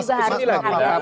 masa lebih banyak waktu disana